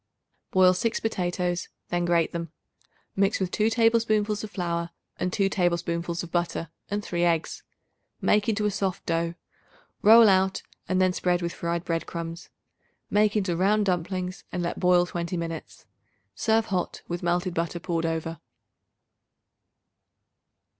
Boil 6 potatoes, then grate them. Mix with 2 tablespoonfuls of flour and 2 tablespoonfuls of butter and 3 eggs. Make into a soft dough; roll out and then spread with fried bread crumbs. Make into round dumplings and let boil twenty minutes. Serve hot with melted butter poured over.